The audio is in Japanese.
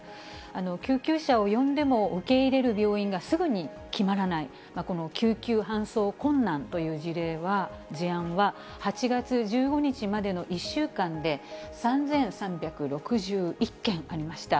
救急車を呼んでも、受け入れる病院がすぐに決まらない、この救急搬送困難という事案は、８月１５日までの１週間で、３３６１件ありました。